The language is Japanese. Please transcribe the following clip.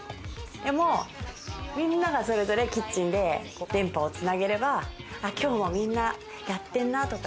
でも、みんなが、それぞれキッチンで電波を繋げればきょうもみんなやってんなとか。